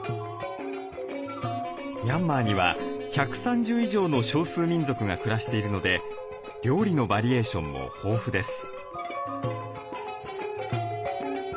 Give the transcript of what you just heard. ミャンマーには１３０以上の少数民族が暮らしているので料理のバリエーションも豊富です。